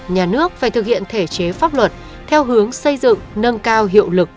nhà nước phải thực hiện thể chế pháp luật theo hướng xây dựng nâng cao hiệu lực